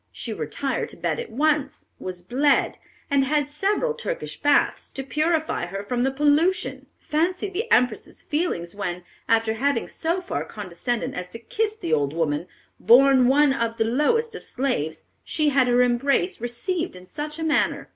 "She retired to bed at once, was bled, and had several Turkish baths, to purify her from the pollution. Fancy the Empress' feelings when, after having so far condescended as to kiss the old woman, born one of the lowest of slaves, she had her embrace received in such a manner."